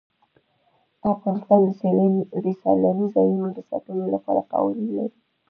افغانستان د سیلاني ځایونو د ساتنې لپاره قوانین لري.